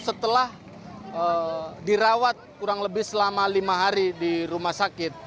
setelah dirawat kurang lebih selama lima hari di rumah sakit